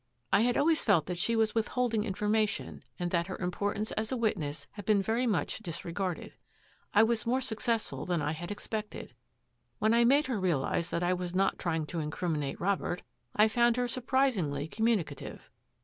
I had always felt that she was withholding information and that her importance as a witness had been very much disregarded. I was more successful than I had expected. When I made her realise that I was not trying to incriminate Robert, I found her surprisingly communicative.